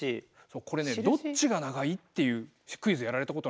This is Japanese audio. これねどっちが長いっていうクイズやられたことないですか？